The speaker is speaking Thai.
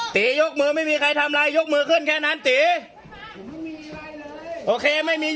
ตียกมือไม่มีใครทำอะไรยกมือขึ้นแค่นั้นตีย